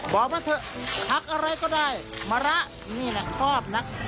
บอกมาเถอะผักอะไรก็ได้มะระนี่แหละชอบนะ